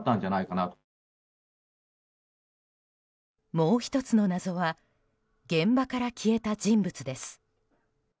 もう１つの謎は現場から消えた人物です。